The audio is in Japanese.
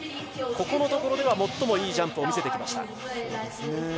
ここのところでは最もいいジャンプを見せてきました。